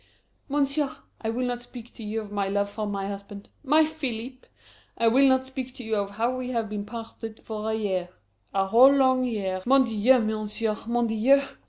"Monsieur, I will not speak to you of my love for my husband my Philippe! I will not speak to you of how we have been parted for a year a whole, long year mon Dieu, Monsieur, _mon Dieu!